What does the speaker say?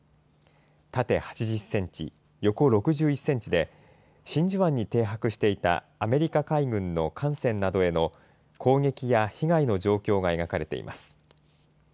縦８０センチ、横６１センチで、真珠湾に停泊していた、アメリカ海軍の艦船などへの攻撃や被害の状況が描かれています。